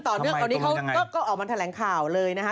ต่อเนื่องตอนนี้เขาก็ออกมาแถลงข่าวเลยนะคะ